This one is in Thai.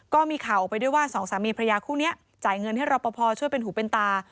ก็มีข่าวออกไปด้วยว่าสองสามีพระยาคู่นี้จ่ายเงินให้รอปภช่วยเป็นหูเป็นตา